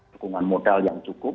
dukungan modal yang cukup